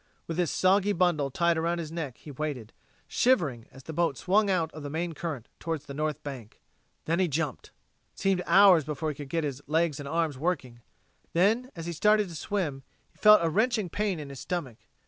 With this soggy bundle tied around his neck he waited, shivering, as the boat swung out of the main current toward the north bank. Then he jumped. It seemed hours before he could get his legs and arms working; then, as he started to swim, he felt a wrenching pain in his stomach.